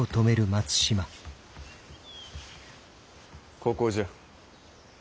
ここじゃ。